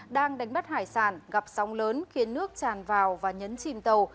đang đánh bắt hải sản gặp sóng lớn khiến nước tràn vào và nhấn chìm tàu